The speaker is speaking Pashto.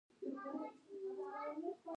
د لغتونو روح باید افغاني وي.